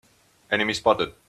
Enemy spotted!